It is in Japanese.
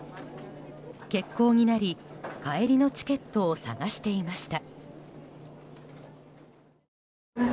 欠航になり、帰りのチケットを探していました。